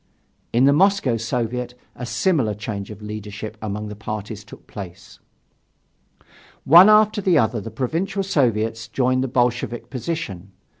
In the Moscow Soviet a similar change of leadership among the parties took place. One after the other the Provincial Soviets joined the Bolshevik position.